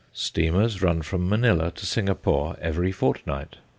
Steamers run from Manilla to Singapore every fortnight.